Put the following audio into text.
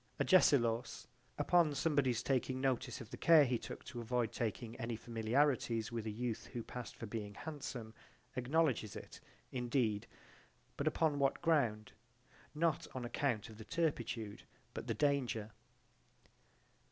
Agesilaus, upon somebody's taking notice of the care he took to avoid taking any familiarities with a youth who passed for being handsome acknowledges it, indeed, but upon what ground? Not on account of the turpitude but the danger.